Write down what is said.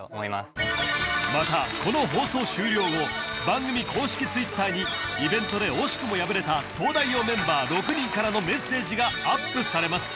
またこの放送終了後番組公式Ｔｗｉｔｔｅｒにイベントで惜しくも敗れた東大王メンバー６人からのメッセージがアップされます